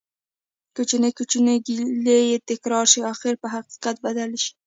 کوچنی کوچنی ګېلې چې تکرار شي ،اخير په حقيقت بدلي شي